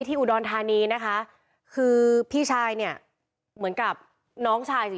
อุดรธานีนะคะคือพี่ชายเนี่ยเหมือนกับน้องชายสิ